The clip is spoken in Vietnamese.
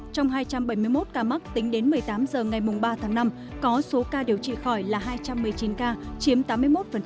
trong hai trăm bảy mươi một ca mắc tính đến một mươi tám h ngày ba tháng năm có số ca điều trị khỏi là hai trăm một mươi chín ca chiếm tám mươi một